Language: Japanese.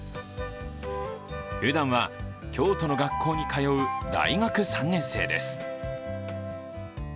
ふだんは京都の学校に通う大学３年生です。